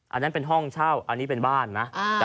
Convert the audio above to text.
อันนั้นเป็นห้องเช่าอันนี้เป็นบ้านนะ